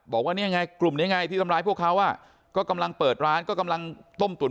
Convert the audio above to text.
บอกว่าเนี่ยไงกลุ่มนี้ไงที่ทำร้ายพวกเขาก็กำลังเปิดร้านก็กำลังต้มตุ๋น